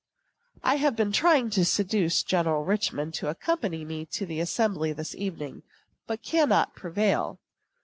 I have been trying to seduce General Richman to accompany me to the assembly this evening, but cannot prevail.